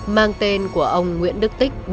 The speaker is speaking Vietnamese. mang tên của ông nguyễn đức tích